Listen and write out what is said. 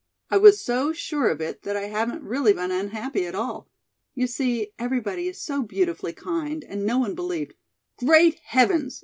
I was so sure of it that I haven't really been unhappy at all. You see, everybody is so beautifully kind and no one believed " "Great heavens!"